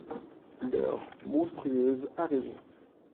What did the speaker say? L'heure monstrueuse arrive.